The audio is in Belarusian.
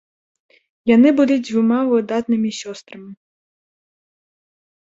Яны былі дзвюма выдатнымі сёстрамі.